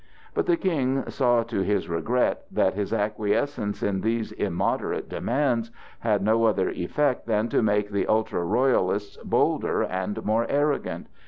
But the King saw to his regret that his acquiescence in these immoderate demands had no other effect than to make the ultra Royalists bolder and more arrogant.